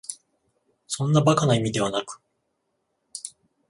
そんな馬鹿な意味ではなく、